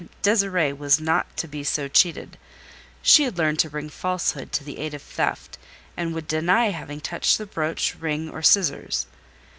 Désirée was not to be so cheated: she had learned to bring falsehood to the aid of theft, and would deny having touched the brooch, ring, or scissors.